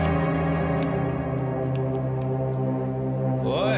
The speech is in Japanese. おい！